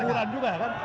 ini tuh hiburan juga kan